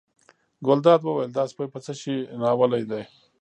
ګلداد وویل دا سپی په څه شي ناولی دی.